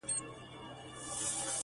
په طمه پروت دی د جنت مسلمان کړی مې دی